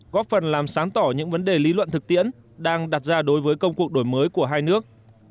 góp phần làm sáng tỏ những vấn đề lý luận thực tiễn đang đặt ra đối với công cuộc đổi mới của hai nước